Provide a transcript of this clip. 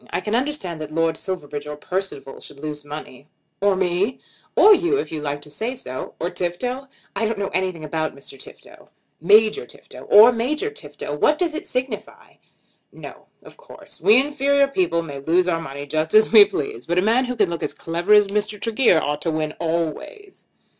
I can understand that Lord Silverbridge or Percival should lose money." "Or me?" "Or you, if you like to say so." "Or Tifto?" "I don't know anything about Mr. Tifto." "Major Tifto." "Or Major Tifto; what does it signify?" "No; of course. We inferior people may lose our money just as we please. But a man who can look as clever as Mr. Tregear ought to win always."